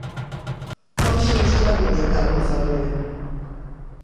Com s'ha mostrat Maria Carme Ferrer?